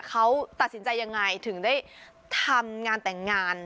เขาตัดสินใจยังไงถึงได้ทำงานแต่งงาน